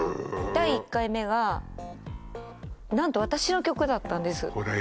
第１回目が何と私の曲だったんですほら